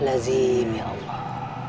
allah lazim ya allah